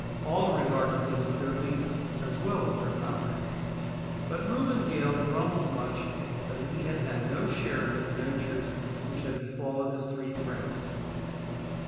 All regarded him as their leader, as well as their comrade. But Reuben Gale grumbled much that he had had no share in the adventures which had befallen his three friends.